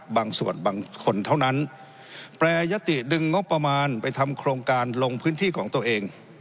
บางส่วนบางคนเท่านั้นแปรยติดึงงบประมาณไปทำโครงการลงพื้นที่ของตัวเอง